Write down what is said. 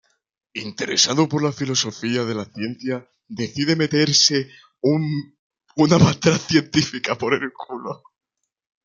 Interesado por la filosofía de la ciencia decide formarse como científico.